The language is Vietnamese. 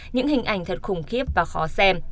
những hình ảnh thật khủng khiếp và khó xem